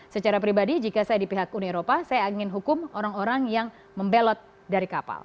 secara pribadi jika saya di pihak uni eropa saya ingin hukum orang orang yang membelot dari kapal